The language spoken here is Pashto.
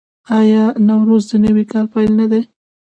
آیا نوروز د نوي کال پیل نه دی؟